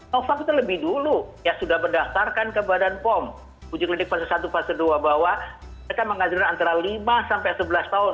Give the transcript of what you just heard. novac itu lebih dulu ya sudah mendaftarkan ke badan pom uji klinik fase satu fase dua bahwa mereka mengajukan antara lima sampai sebelas tahun